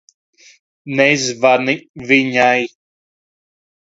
Nezvani viņai.